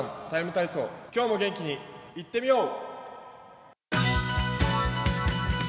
ＴＩＭＥ，体操」、今日も元気にいってみよう。